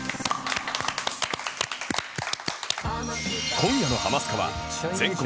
今夜の『ハマスカ』は可愛い。